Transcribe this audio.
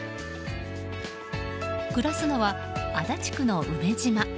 暮らすのは、足立区の梅島。